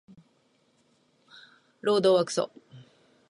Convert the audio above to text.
労働はクソ